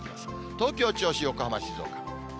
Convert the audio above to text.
東京、銚子、横浜、静岡。